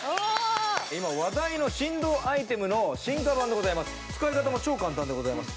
今話題の振動アイテムの進化版です。